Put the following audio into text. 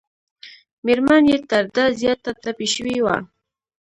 مېرمن یې تر ده زیاته ټپي شوې وه.